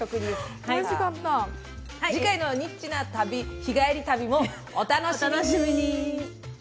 次回の「ニッチな日帰り旅」もお楽しみに！